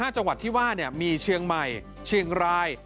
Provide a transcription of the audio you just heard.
จังหวัดที่ว่ามีเชียงใหม่เชียงราย